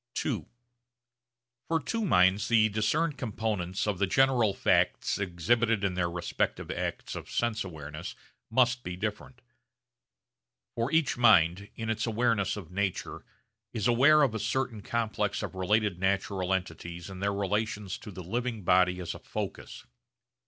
(ii) For two minds, the discerned components of the general facts exhibited in their respective acts of sense awareness must be different. For each mind, in its awareness of nature is aware of a certain complex of related natural entities in their relations to the living body as a focus.